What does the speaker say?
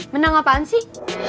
menang apaan sih